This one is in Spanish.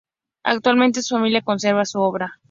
Actualmente su familia conserva su obra.